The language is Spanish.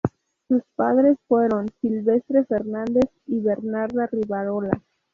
Sus padres fueron Silvestre Fernández y Bernarda Rivarola.